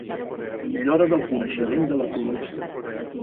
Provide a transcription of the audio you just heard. Millora del coneixement de la col·lecció.